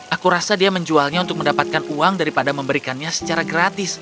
aku rasa dia menjualnya untuk mendapatkan uang daripada memberikannya secara gratis